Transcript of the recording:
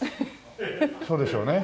そうでしょうね。